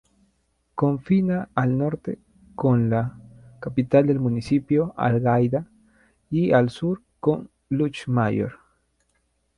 Confina al norte con la capital del municipio, Algaida, y al sur con Lluchmayor.